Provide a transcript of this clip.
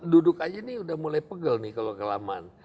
duduk aja ini udah mulai pegel nih kalau kelamaan